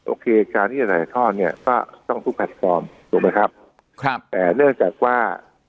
โอเคการที่จะถ่ายทอดเนี่ยก็ต้องทุกแพลตฟอร์มถูกไหมครับครับแต่เนื่องจากว่า